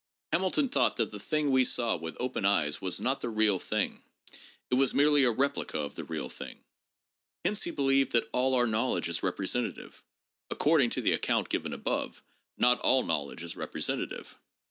Hamilton thought that the thing we saw with open eyes was not the real thing ; it was merely a replica of the real thing. Hence he believed that all our knowledge is representative. According to the account given above, not all knowledge is representative.